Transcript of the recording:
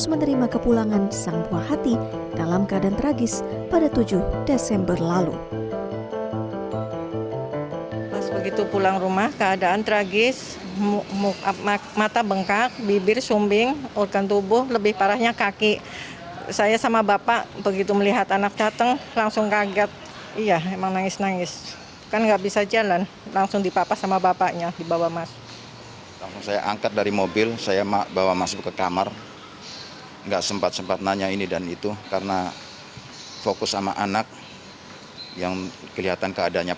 orang tua korban mengatakan tidak menyangka